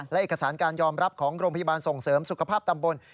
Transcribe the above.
และเอกสารการยอมรับของโรงพยาบาลส่งเสริมสุขภาพตำบล